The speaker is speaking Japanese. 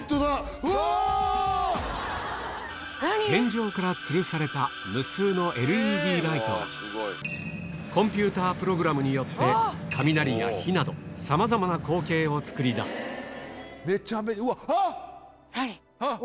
天井からつるされた無数のＬＥＤライトがコンピュータープログラムによって雷や火などさまざまな光景を作り出すあ！